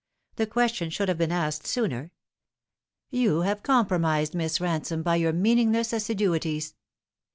The question should have been asked sooner. You have compromised Miss Ransome by your meaningless assiduities.